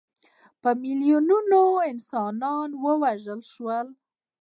په میلیونونو انسانان ووژل شول.